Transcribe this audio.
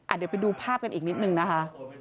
เดี๋ยวไปดูภาพกันอีกนิดนึงนะคะ